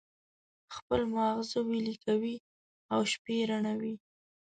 خپل مازغه ویلي کوي او شپې روڼوي.